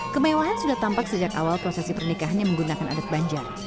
kemewahan sudah tampak sejak awal prosesi pernikahannya menggunakan adat banjar